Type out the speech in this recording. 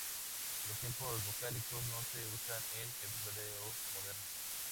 Los tiempos vocálicos no se usan en Hebreo Moderno.